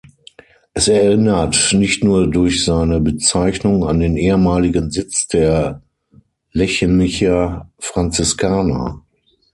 Es erinnert nicht nur durch seine Bezeichnung an den ehemaligen Sitz der Lechenicher Franziskaner.